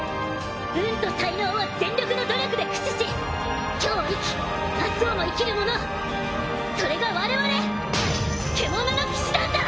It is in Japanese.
運と才能を全力の努力で駆使し今日を生き明日をも生きる者それが我々獣の騎士団だ！